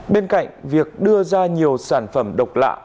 bên cạnh việc đưa ra nhiều sản phẩm độc lạ